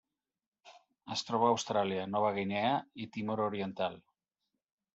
Es troba a Austràlia, Nova Guinea i Timor Oriental.